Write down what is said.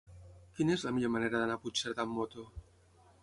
Quina és la millor manera d'anar a Puigcerdà amb moto?